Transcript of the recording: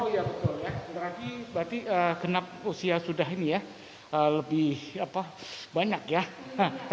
oh iya betul berarti genap usia sudah ini ya lebih banyak ya